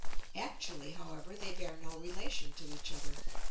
Actually, however, they bear no relation to each other.